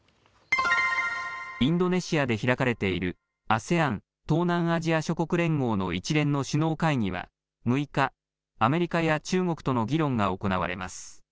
インドネシアで開かれているＡＳＥＡＮ・東南アジア諸国連合の一連の首脳会議は６日、アメリカや中国との議論が行われます。